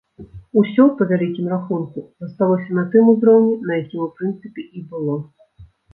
Усё, па вялікім рахунку, засталося на тым узроўні, на якім у прынцыпе і было.